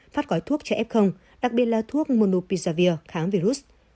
phát gói thuốc cho f đặc biệt là thuốc monopizavir kháng virus